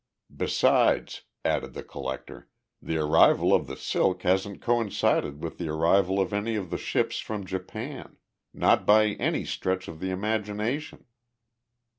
"Besides," added the Collector, "the arrival of the silk hasn't coincided with the arrival of any of the ships from Japan not by any stretch of the imagination."